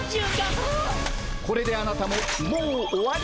これであなたももう終わりです。